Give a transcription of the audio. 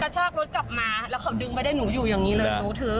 ชากรถกลับมาแล้วเขาดึงไปได้หนูอยู่อย่างนี้เลยหนูถือ